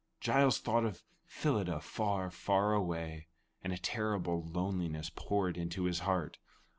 Giles thought of Phyllida far, far away, and a terrible loneliness poured into his heart.